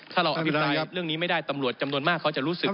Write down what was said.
ถ้าเราอภิปรายเรื่องนี้ไม่ได้ตำรวจจำนวนมากเขาจะรู้สึก